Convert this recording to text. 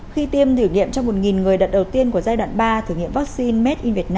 khi tiêm thử nghiệm trong một người đợt đầu tiên của giai đoạn ba thử nghiệm vaccine